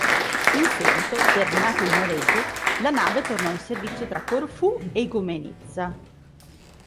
In seguito, terminato il noleggio, la nave tornò in servizio tra Corfù e Igoumenitsa.